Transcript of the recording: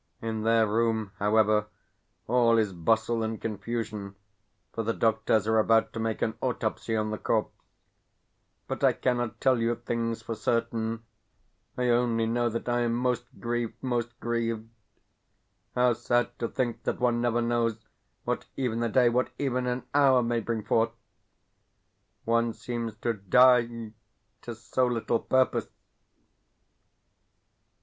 In their room, however, all is bustle and confusion, for the doctors are about to make an autopsy on the corpse. But I cannot tell you things for certain; I only know that I am most grieved, most grieved. How sad to think that one never knows what even a day, what even an hour, may bring forth! One seems to die to so little purpose!...